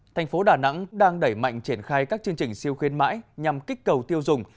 thành phố đà nẵng đang đẩy mạnh triển khai các chương trình siêu khuyến mãi nhằm kích cầu tiêu dùng